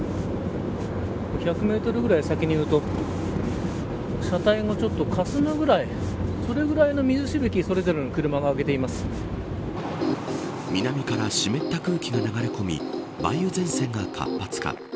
１００メートルぐらい先見ると車体がちょっとかすむくらいそれぐらいの水しぶきを南から湿った空気が流れ込み梅雨前線が活発化。